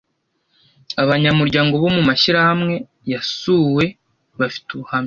Abanyamuryango bo mu mashyirahamwe yasuwe bafite ubuhamya